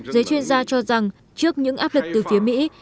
giới chuyên gia cho rằng trước những áp lực từ phía mỹ